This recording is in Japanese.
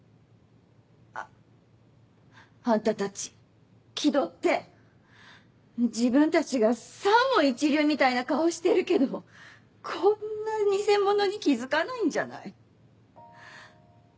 ああんたたち気取って自分たちがさも一流みたいな顔してるけどこんな偽物に気付かないんじゃない。